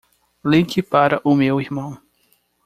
Ligue para o meu irmão.